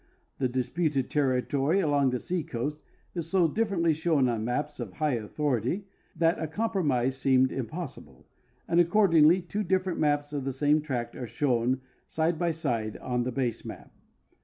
The dis puted territory along the seacoast is so differently shown on maps of high authority that a compromise seemed impossible, and accordingly two different maps of the same tract are shown side by side on the base map.